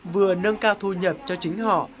vừa nâng cao thu nhập cho chính họ